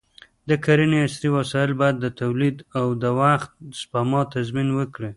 د کرنې عصري وسایل باید د تولید او د وخت سپما تضمین وکړي.